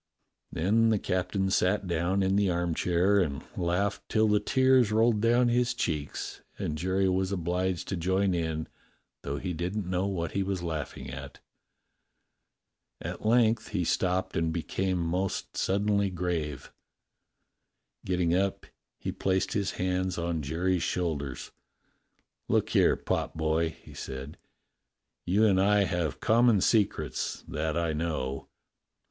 Then the captain sat down in the armchair and laughed till the tears rolled down his cheeks, and Jerry was obliged to join in, though he didn't know what he was laughing at. At length he stopped and became 156 DOCTOR SYN most suddenly grave. Getting up, he placed his hands on Jerry's shoulders. "Look here, potboy," he said, "you and I have com mon secrets that I know.